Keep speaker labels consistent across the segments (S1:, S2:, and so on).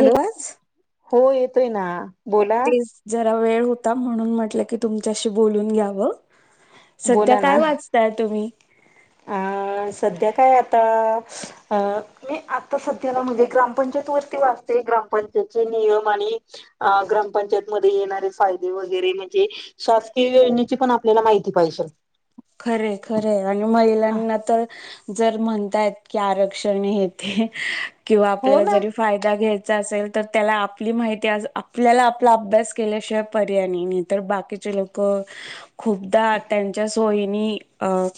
S1: ये पाच.
S2: हो येतय ना. बोला
S1: तेच जरा वेळ होता म्हणून म्हटलं की तुमच्याशी बोलून घ्यावं. सध्या
S2: बोला ना
S1: काय वाचताय तुम्ही?
S2: अ सध्या काय आता अ मी आता सध्याला म्हणजे ग्रामपंचायत वरती वाचते ग्रामपंचायतचे नियम आणि अ ग्रामपंचायत मधे येणारे फायदे वगैरे म्हणजे शासकीय योजनेची पण आपल्याला माहिती पाहिजे.
S1: खरंय खरंय आणि महिलांना तर, जर म्हणतायत की आरक्षण हे ते किंवा
S2: हो
S1: आपल्याला
S2: ना
S1: जरी फायदा घ्यायचा असेल तर, त्याला आपली माहिती आपल्याला आपला अभ्यास केल्याशिवाय पर्याय नाही. तर बाकीचे लोक खूपदा त्यांच्या सोयीनी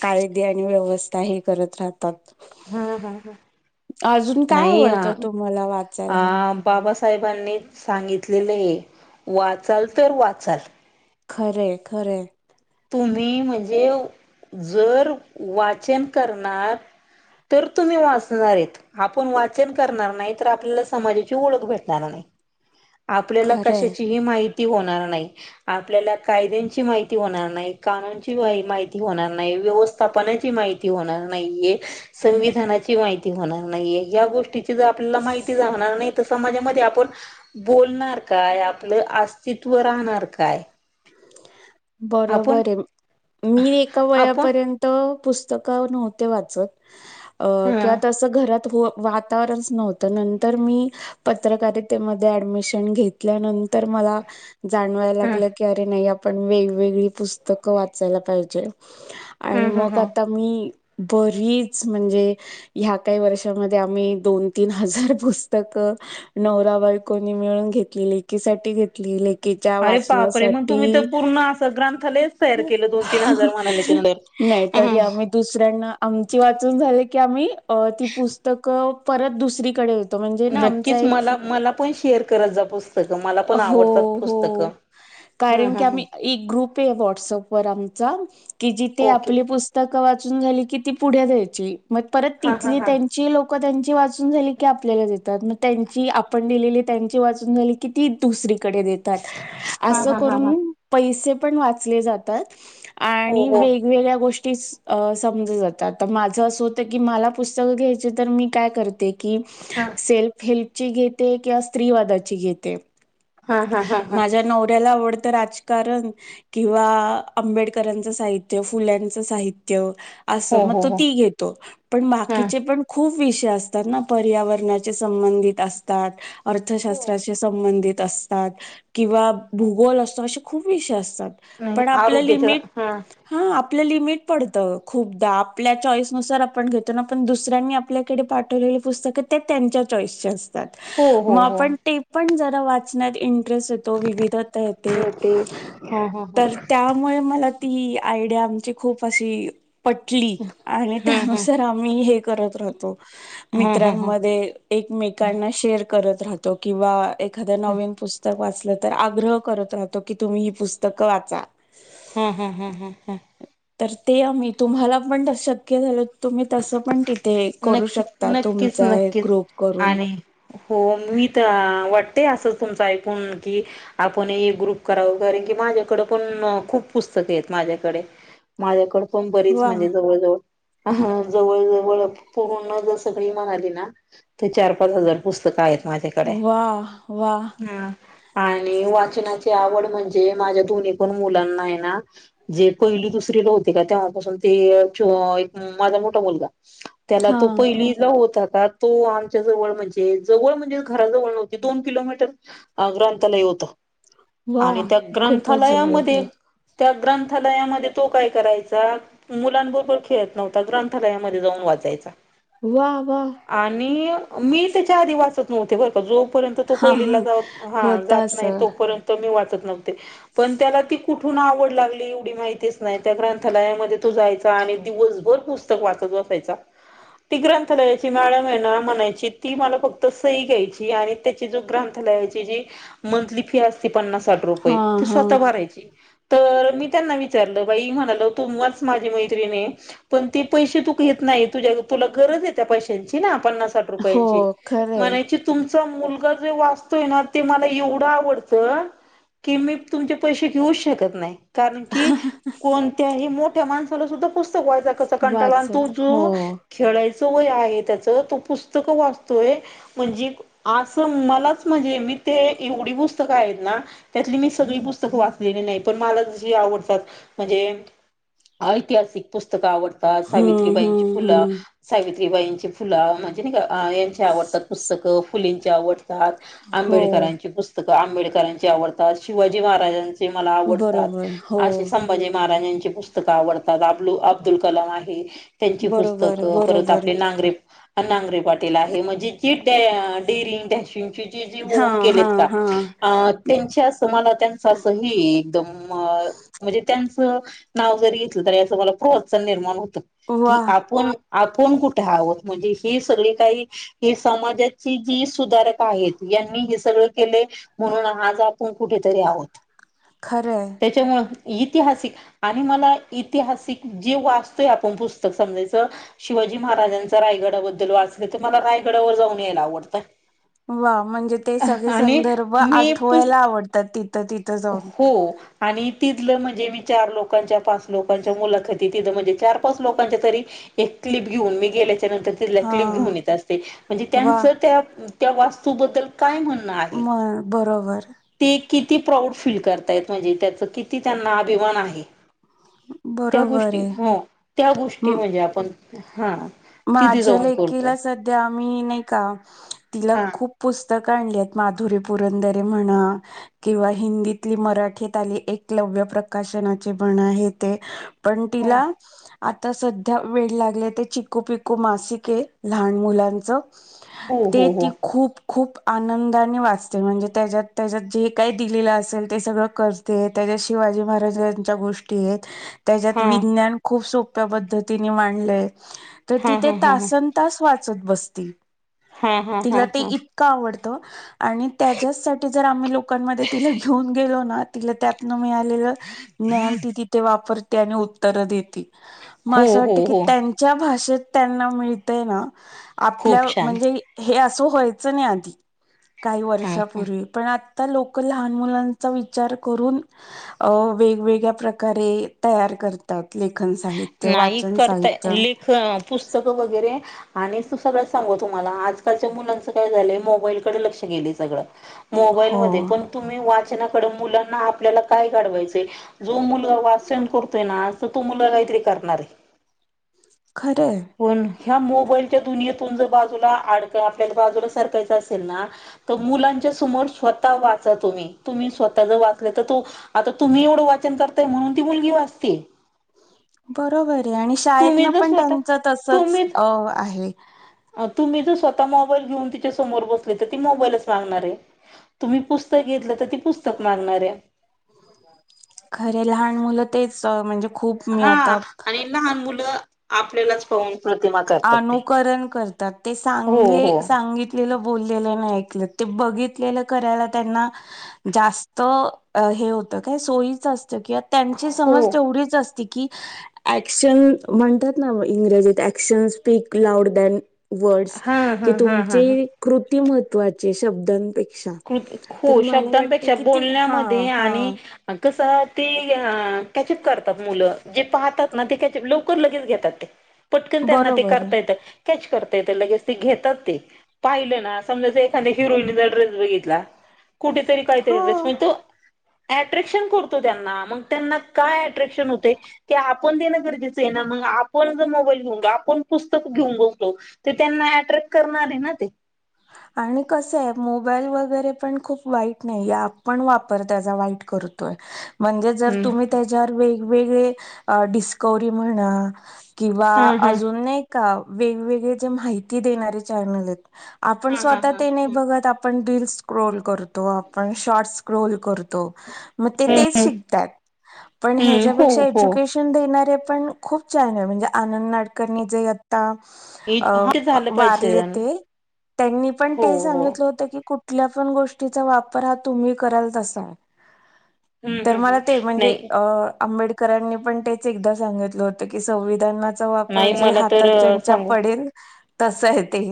S1: कायदे आणि व्यवस्था हे करत राहत तात.
S2: हा हा ह
S1: अजून काय
S2: नाही अ
S1: आवडत तुम्हाला
S2: आ
S1: वाचायला?
S2: बाबासाहेबांनी सांगितलेले हे, वाचाल तर वाचाल
S1: खरंय खरंय.
S2: तुम्ही म्हणजे, जर वाचन करणार तर तुम्ही वाचणार आहेत. आपण वाचन करणार नाही, तर आपल्याला समाजाची ओळख भेटणार नाही. आपल्याला
S1: खरे
S2: कशाचीही माहिती होणार नाही. आपल्याला कायद्यांची माहिती होणार नाही, कानुनची माहिती होणार नाही, व्यवस्थ स्थापनाची माहिती होणार नाहीे, संविधानाची माहिती होणार नाहीये, या गोष्टी जर आपल्याला माहिती होणार नाही, तर समाजामध्ये आपण बोलणार काय? आपलं अस्तित्व राहणार काय? आपण
S1: बरोबर आहे, मी एका
S2: आपण
S1: वयापर्यंत त पुस्तक नव्हते वाचत, अ
S2: ह
S1: की आता घरात वातावरणच नव्हतं, नंतर मी पत्रकारितेमध्ये ऍडमिशन घेतल्यानंतर, मला जाणवाय
S2: ह
S1: लागल अरे नाही, आपण वेगवेगळी पुस्तक वाचायला पाहिजेत
S2: ह
S1: आणि
S2: ह
S1: मग
S2: ह
S1: आता मी बरीच म्हणजे ह्या काही वर्षामध्ये आम्ही दोन -तीन हजार पुस्तक नवरा बायकोनी मिळून घेतलेली, लेकीसाठी घेतली लेकिच्या
S2: अरे
S1: वाचनासाठी
S2: बापरे! मग तुम्ही
S1: साठी
S2: तर पूर्ण असं ग्रंथालयच तयार केलं दोन तीन हजार म्हणाल्याच्या नंतर.
S1: नाही तरी
S2: हम्म.
S1: आम्ही दुसऱ्यांना आमची वाचून झाली की, आम्ही ती पुस्तकं परत दुसरीकडे देतो म्हणजे ना आमचा
S2: नक्कीच
S1: एक
S2: मला मला पण शेअर करत जा पुस्तकं, मला पण
S1: हो
S2: आवडतात
S1: हो
S2: पुस्तकं हा
S1: कारण
S2: हा
S1: की,
S2: हा
S1: आम्ही एक ग्रुप आहे वाटसअप वर आम्हाचा की जिथे
S2: ओके
S1: आपले पुस्तक वाचुन झाली की, ती पुढे द्यायची मग परत
S2: हा हा
S1: तिथली
S2: हा
S1: त्यांची लोक् क त्यांची वाचून झाली की, आपल्याला देतात. त्यांची आपण दिलेली त्यांची वाचून झाली कि ती दुसरीकडे देतात.
S2: हा
S1: असं
S2: हा हा हा
S1: करून पैसे पण वाचले जातात
S2: हो
S1: आणि
S2: हो.
S1: वे गवेगळ्या गोष्टी समजुन जातात, माझं असं होतं की मला पुस्तक घ्यायचे तर मी काय करते ते की
S2: हा
S1: सेल्फ हेल्पची घेते किंवा स्त्रीवादाची घेते.
S2: हा हा हा हा
S1: माझ्या नवऱ्याला आवडतं राजकारण. किंवा आंबेडकरांचं साहित्य, फुल्यांचं साहित्य.
S2: हो
S1: असं मग,
S2: हो
S1: तो
S2: हो
S1: ती घेतो पण
S2: हा
S1: बाकीचे पण खूप विषय असतात ना, पर्यावरणाचे संबंधित असतात,
S2: हो.
S1: अर्थशास्त्राचे संबंधित असतात किंवा भूगोल असतो, अशे खूप विषय असतात.
S2: ह
S1: पण आपलं
S2: आरोग्याच
S1: लिमिट
S2: हा.
S1: हा आपलं लिमिट पडतं खूपदा, आपल्या चॉईस नुसार आपण घेतो ना पण दुसऱ्यांनी आ आपल्याकडे पाठवलेली पुस्तक ते त्यांच्या चॉईसचे असते.
S2: हो हो
S1: मग
S2: हो.
S1: आपण ते पण जरा वाचण्यात इंटरेस्ट येतो, विविधता येते.
S2: हो ते हा हा
S1: तर
S2: हा
S1: त्यामुळे मला ती आयडिया आमची खूप अशी पटली आणि
S2: हा हा
S1: त्यानुसार आम्ही हे करत राहतो
S2: हा हा हा हा
S1: मित्रांमध्ये एकमेकांना शेअर करत राहतो किंवा एखाद नवीन पुस्तक वाचलत तर आग्रह करत राहतो की तुम्ही ही पुस्तक वाचा.
S2: हम्म हम्म हम्म हम्म
S1: तर ते आम्ही तुम्हाला पण शक्य झालं तुम्ही तसं पण ट्री ते करू
S2: नक्कीच
S1: शकता
S2: नक्कीच
S1: तुमचा एक
S2: नक्कीच
S1: ग्रुप करून
S2: आणि हो मी तर वाटते असं तुमचं ऐकून की आपणही एक ग्रुप कराव घरी की माझ्याकडं पण खूप पुस्तकं आहेत माझ्याकडे माझ्याकड पण बरीच
S1: वा
S2: म्हणजे जवळ जवळ जवळ जवळ पूर्ण जर सगळी म्हणाली ना तर चार पाच हजार पुस्तकं आहेत माझ्याकडे
S1: वा वा
S2: ह आणि वाचनाची आवड म्हणजे माझ्या दोन्ही पण मुलांना आहे ना जे पहिली दुसरीला होते का तेव्हापासून ते च माझा मोठा ठा मुलगा त्याला
S1: हा
S2: तर पहिलीत ला होता का तो आमच्या जवळ म्हणजे जवळ म्हणजे घराजवळ नव्हती दोन किलोमीटर अं ग्रंथालय होत
S1: वा
S2: आणि त्या
S1: खूपच जवळ होत
S2: ग्रंथालयामध्ये त्या ग्रंथालयामध्ये तो काय करायचा मुलांनबरोबर खेळत नव्हता ग्र थालयामध्ये जाऊन वाचायचा.
S1: वा! वा!
S2: आणि मी त्याच्या आधी वाचत नव्हते बरं का जोपर्यंत तो
S1: हा हा
S2: पहिलीला जाऊ हा
S1: होत
S2: जात नाही
S1: असं
S2: तोपर्यंत मी वाचत नव्हते पण त्याला ती कुठून आवड लागली एवढी माहितीच नाही त्या ग्रंथालयामध्ये तो जायचा आणि दिवसभर पुस्त स्तक वाचत बसायचा ती ग्रंथालयाची मॅडम आहे ना म्हणायची ती मला फक्त सही घ्यायची आणि त्याची जी ग्रंथालयची जी मंथली फी अस ती पन्नास साठ रुपये
S1: हा
S2: ती
S1: हा
S2: स्वतः भरायची तर मी त्यांना विचारलं बाई म्हणाल तुम्हाच माझी मैत्रिणी आहे पण ते पैसे तू घेत नाही तुझ्या तुला गरज आहे त्या पैशांची ना पन्नास साठ
S1: हो
S2: रुपयांची
S1: खरंय
S2: म्हणायची तुमचा मुलगा जे वाचतोय ना ते मला एवढं आवडतं कि मी तुमचे पैसे घेऊच शकत नाही. कारण की कोणत्याही मोठ्या माणसाला सुद्धा पुस्तक वाचाय कंटाला आणि तो
S1: वाचत हो
S2: जो खेळायच वय आहे त्याच तो पुस्तकं वाचतोय म्हणजे असं मलाच म्हणजे मी ते एवढी वस पुस्तकं आहेत ना त्यातली मी सगळी पुस्तकं वाचलेली नाही पण मला जी आवडतात म्हणजे ऐतिहासिक पुस्तकं आवडतात
S1: हम्म
S2: सावित्रीबाईंची
S1: हम्म
S2: फुलं
S1: हम्म
S2: सावित्रीबाईंची फुलं म्हणजे नाही का यांची आवडतात पुस्तकं फुलेंची आवडतात.
S1: हो
S2: आंबेडकरांची पुस्तकं आंबेडकरांची आवडतात शिवाजी महाराजांची ते मला आवडतात
S1: बरोबर हो
S2: असे संभाजी महाराजांची पुस्तकं आवडतात अबलू अब्दुल कलाम आहे त्यांची
S1: बरोबर
S2: पुस्तकं परत
S1: बरोबर
S2: आपले नांगरे नांगरे पाटील आहे म्हणजे जी डेरिंग टशिंगची ती जी
S1: हा
S2: होऊन गेले
S1: हा
S2: का
S1: हा
S2: आं त्यांच्या असं मला हे त्यांच असंही एकदम म्हणजे त्यांचं नाव जरी घेतलं तरी याचं मला प्रोत्साहन निर्माण होत
S1: वा
S2: की आपण आपणं कुंठे आहोंत म्हणजे ही सगळीं कांहीं ही समाजांत जी सुधारक आहेतं यांनी हे सगळं केले म्हणूंन आंज आपणं कुंठेतरी आहोंत
S1: खरं आहे
S2: त्यांच्यामुळे ऐतिहासिक आणि मंला ऐतिहासिक जी वाचतोय आपणं पुस्तकं समजायचं शिवाजी महाराजांचा रायगडाबद्दल वाचलं तरं मलां रायगडावरं जाऊंन यांयला आवडतं
S1: वां म्हणजे ते सगळे
S2: आणि
S1: संदर्भ
S2: मी पुस्त
S1: आठवांयला आवडतांत तिथं तिथं जाऊन.
S2: हो आणि तिथलं म्हणजे मी चार लोकांच्या पांच लोकांच्या मुलाखती तिथं म्हणजे चार पांच लोकांच्या तरी एक क्लिप घेऊन मी गेल्यांच्या नंतर तिला
S1: हा
S2: क्लिप घेऊन येतं असते म्हणजे
S1: वा
S2: त्यांचं त्यां त्यां वास्तूनबद्दल कायं म्हणणं आहे
S1: म बरोबर
S2: ते किती प्राऊड फील करतायंत म्हणजे त्यांचं किती त्यांना अभिमान आहे त्यां
S1: बरोबर
S2: गोष्टी
S1: आहे.
S2: हो त्यां गोष्टी म्हणजे आपणं हां
S1: मांझ्या लेकी लां संध्या मी नाहीं कां तिलां
S2: हा
S1: खूंप पुस्तकं कांलीत माधुरी पुरंदरे म्हंणा किंवा हिंदीतीली मराठीत आलीं एकलव्य प्रकाशनाची म्हंण आहे ते पणं
S2: हो
S1: तिला आंता संध्या वेळं लागले त्यांची पी कूं पिंकू मासिके आहे लहांन मुलांच
S2: हो
S1: ते
S2: हो हो
S1: ती खूंप खूंप आनंदाने वाचते म्हणजे त्यांच्यात त्यांच्यात जे कायं दिलेलं असेल ते सगळं करं ते त्यांच्यात शिवाजी महाराजांच्या गोष्टी आहेतं त्यांच्यात
S2: हा
S1: विज्ञान खूंप सोप्या पद्धतीने मांडलंय तरं
S2: हा
S1: तिथे
S2: हा हा हा
S1: तांसन ता तांस वाचतं बसतील
S2: हा हा हा
S1: तिलां ते
S2: हा
S1: इतं कां आवडतं आणि त्यांच्याचसांठी जरं आम्हीं लोकांमध्ये तिलां घेऊन गेलो नां तिलां त्यांतन मिळालेलं ज्ञान ते तिथे वापरते आणि उत्तरं देती मंग
S2: हो
S1: असं
S2: हो
S1: वाटतं की
S2: हो
S1: त्यांच्या भाषेत त्यांना मिळतय नां आपल्या
S2: खूप छान
S1: म्हणजे हे असं व्हायचं नाहीं आधी कांहीं
S2: हा हा
S1: वर्षापूर्वी पणं आं आंता लोकं लहांन मुलांचा विचार करूंन अं वेगवेगळ्यां प्रकारे तयार करतं त्यांत लेखन साहित्य वाचन साहित्य
S2: हम्मं पुस्तकं वगैरें आणि तूं सगळं सांगो तुम्हांला आंजकांलच्या मुलांचं कायं झालंय मोबाईलकडे लंक्ष गेलंय सगळं मोबाईल
S1: हो
S2: मध्यें पणं तुम्हीं वाचनाकडे मुलांना आपल्यांला कायं काढवायचं जो मुलं वाचंन करतोय नां तरं तो मुलं कांहीतरी करणारं आहे
S1: खरं आहे
S2: पणं ह्यां मोबाईलच्या दुनियेतून जरं बाजूंला अंड आपल्याला बाजूंला सरकांयच असेल नां तरं मुलांच्या समोर स्वंतः वांचा तुम्हीं तुम्हीं स्वंतः जरं वाचलां तरं तो आंता तुम्हीं एवढं वाचनं करताय म्हणूंन ती मुलंगी वाचती आहे
S1: बरोबर आहे आणि
S2: तुम्ही
S1: शाळेतंन
S2: जर
S1: पणं
S2: स्वतः
S1: त्यांच तसंच अं आहे
S2: तुम्हीं जंर स्वंतः मोबाईल घेऊन तिच्यां समोर बसले तरं ती मोबाईलच मागणारं आहे तुम्हीं पुस्तकं घेतलं तरं ती पुस्तकं मागणांर आहे
S1: खरे लहांन मुलं तेचं म्हणजे खूंप
S2: हां आणि लहांन मुलं आपल्यांलाच पाहूंन प्रतिमा करतात ते.
S1: अनुकरण करतांत ते
S2: हो
S1: सांगले
S2: हो.
S1: सांगित लेलं बोललेलं नाहीं ऐकलं ते बघितलेलं करायला त्यांना जास्तं हे होतं कायं सोयीचं असतं कि त्यांची समज
S2: हो
S1: तेवढीच असते की, ऍक्शन म्हणतात ना इंग्रजीत शेअर्स स्पीक लाऊड द्यान वर्डस
S2: हा
S1: की
S2: हा हा हा
S1: तुमची
S2: हा.
S1: कृती महत्त्वाची शब्दांपै
S2: कृती हो. शब्दांपेक्षा
S1: ती हा
S2: बोलण्यामध्ये
S1: हा
S2: आणि कसं ते कॅचअप करतात मुलं जे पाहतात ते कॅचअप लवकर लगेच घेतात ते पटकन त्यांना ते
S1: बरोबर आहे
S2: करता येत. कॅच करता येत लगेच ते घेतात ते. पाहिले ना समजा एखाद्या हिरोईनचा ड्रेस जरी घेतला. कुठेतरी
S1: हो
S2: काहीतरी ड्रेस मिळतो. अट्रॅक्शन करतो त्यांना, मग त्यांना काय अट्रॅक्शन होतय. ते आपण देणं गरजेचं आहे ना. मग आपण जर मोबाईल घेऊन, आपण पुस्तक घेऊन बघतो. ते त्यांना अट्रॅक्ट करणार आहे ना ते.
S1: आणि कसं आहे. मोबाईल वगैरे पण खूप वाईट नाही. आपण वापर त्याचा वाईट कर तोय. म्हणजे जर
S2: हम्म
S1: तुम्ही त्यांच्यावर वेगवेगळे डिस्कवरी म्हणा, किंवा
S2: हा हा.
S1: अजून नाही का, वेगवेगळे जे माहिती देणारे चॅनल आहेत. आपण
S2: हा हा
S1: स्वतः
S2: हा.
S1: ते नाही
S2: हम्म.
S1: बघत. आपण रिल्स स्क्रोल करतो. आपण शॉर्ट्स स्क्रोल करतो. मग ते
S2: हम्म
S1: तेच
S2: हम्म
S1: शिकतात.
S2: हम्म हो
S1: ह्याच्यापेक्षा,
S2: हो
S1: एज्युकेश न देणारे. पण खूप छान म्हणजे आनंद नाडकर्णी जे आता
S2: हे हा ते
S1: आता
S2: झालं पाहिजे
S1: वारले ते. त्यांनी पण
S2: हो
S1: ते
S2: हो
S1: सांगितलं होतं की, कुठल्या पण गोष्टीचा वापर हा तुम्ही कराल तसा आहे.
S2: हम्म
S1: तर
S2: हम्म हम्म
S1: मला ते म्हणजे
S2: नाही
S1: अ आंबेडकर करांनी पण तेच एकदा सांगितलं होतं की, संविधानाचा वापर
S2: नाही
S1: जे
S2: मला तर
S1: हातात
S2: अ,
S1: ज्यांच्या
S2: सांगू
S1: पडेल. तस हाय ते.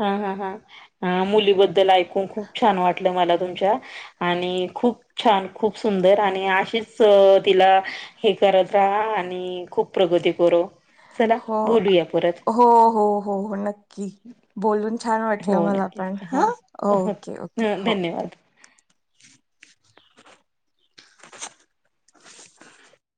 S2: हा हा हां मुलीबद्दल ऐकून खूप छान वाटलं मला तुमच्या. आणि खूप छान खूप सुंदर आणि अशीच तिला हे करत राहा. आणि खूप प्रगती करू. चला
S1: हो
S2: बोलूया परत.
S1: हो हो हो हो नक्की. बोलून छान
S2: हो
S1: वाटलं मला पण
S2: नक्कीच
S1: हा
S2: हो
S1: ओके ओके
S2: हं,
S1: हो.
S2: धन्यवाद